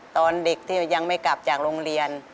ตอนเด็กที่ยังไม่กลับจากโรงเรียน